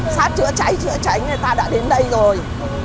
sát chữa cháy chữa cháy người ta đã đến đây rồi